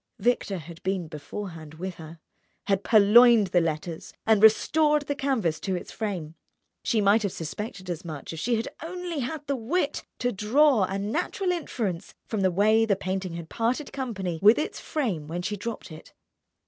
Victor had been beforehand with her, had purloined the letters and restored the canvas to its frame. She might have suspected as much if she had only had the wit to draw a natural inference from the way the painting had parted company with its frame when she dropped it.